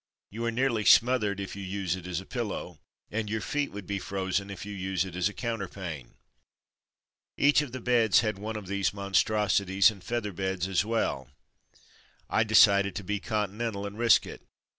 You are nearly smothered if you use it as a pillow, and your feet would be frozen, if you use it as a counterpane. Each of the beds had one of these monstrosities and feather beds as well. I decided to be continental, and risk it.